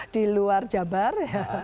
di luar jabar